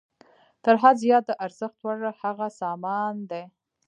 تر حد زیات د ارزښت وړ هغه سامان دی